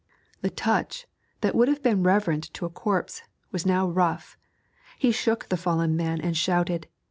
The touch, that would have been reverent to a corpse, was now rough. He shook the fallen man and shouted.